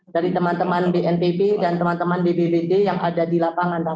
dari teman teman bnpb dan teman teman bbbt yang ada di lapangan